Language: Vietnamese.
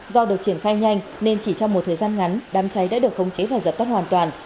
do được triển khai nhanh nên chỉ trong một thời gian ngắn đám cháy đã được khống chế và dập tắt hoàn toàn